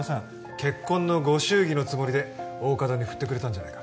結婚のご祝儀のつもりで大加戸に振ってくれたんじゃないか？